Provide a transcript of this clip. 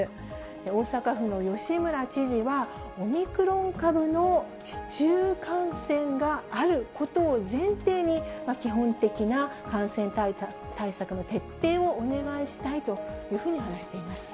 大阪府の吉村知事は、オミクロン株の市中感染があることを前提に、基本的な感染対策の徹底をお願いしたいというふうに話しています。